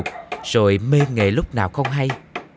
lớn lên một chút rồi mê nghề lúc nào không hay